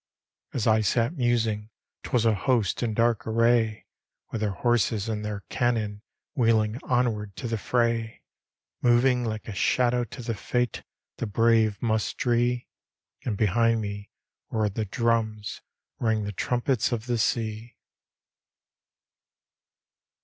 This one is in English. As I sat musing, 'twas a host in dark array, Widi their horses and their cannon wheeling onward to the fray, Moving like a shadow to the fate the brave must dree, And behind me roared the drums, rang the trumpets of tbe sea.